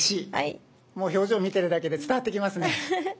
表情見てるだけで伝わってきますね。